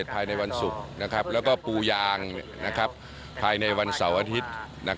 ภายในวันศุกร์แล้วก็ปูยางภายในวันเสาร์อาทิตย์